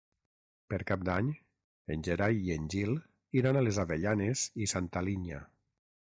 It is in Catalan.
Per Cap d'Any en Gerai i en Gil iran a les Avellanes i Santa Linya.